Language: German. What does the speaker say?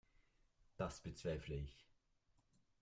Das bezweifle ich.